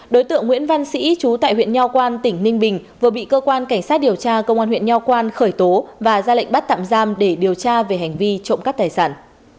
đối tượng nguyễn văn sĩ chú tại huyện nho quan tỉnh ninh bình vừa bị cơ quan cảnh sát điều tra công an huyện nho quan khởi tố và ra lệnh bắt tạm giam để điều tra về hành vi trộm cắp tài sản